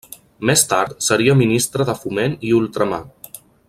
Més tard seria ministre de Foment i Ultramar.